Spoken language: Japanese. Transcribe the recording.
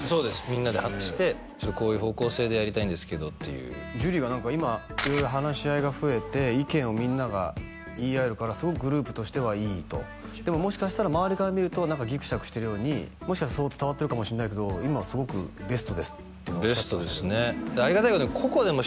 みんなで話してちょっとこういう方向性でやりたいんですけどっていう樹が何か今色々話し合いが増えて意見をみんなが言い合えるからすごくグループとしてはいいとでももしかしたら周りから見ると何かギクシャクしてるようにもしかしたらそう伝わってるかもしんないけど今はすごくベストですっていうのおっしゃってましたけどもベストですね